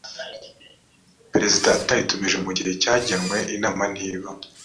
perezida atayitumije mu gihe cyagenwe inama ntiba